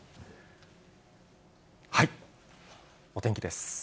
お天気です。